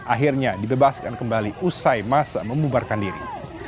akhirnya dibebaskan kembali usai masa membubarkan diri